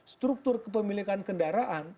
struktur kepemilikan kendaraan